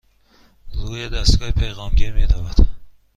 روی دستگاه پیغام گیر می رود.